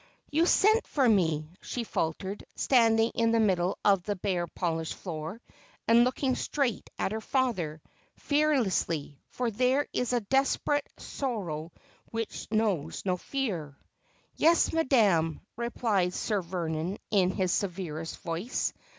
' You sent for me,' she faltered, standing in the middle of the bare polished floor, and looking straight at her father, fear lessly, for there is a desperate sorrow which knows not fear. ' Yes, madam,' replied Sir Vernon in his severest voice.